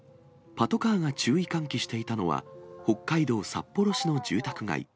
パトカーが注意喚起していたのは、北海道札幌市の住宅街。